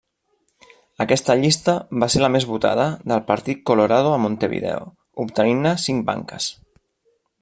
Aquesta llista va ser la més votada del Partit Colorado a Montevideo, obtenint-ne cinc banques.